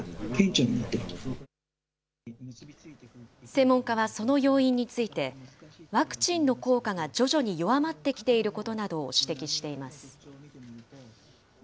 専門家はその要因について、ワクチンの効果が徐々に弱まってきていることなどを指摘しています。